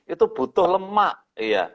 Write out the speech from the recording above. itu butuh lemak ya